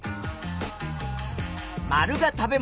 ●が食べ物